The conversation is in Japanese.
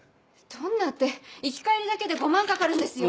どんなって行き帰りだけで５万かかるんですよ。